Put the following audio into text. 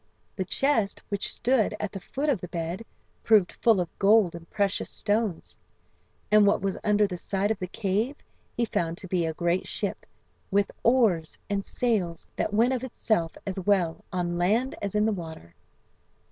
"The chest which stood at the foot of the bed" proved full of gold and precious stones; and "what was under the side of the cave" he found to be a great ship, with oars and sails that went of itself as well on land as in the water.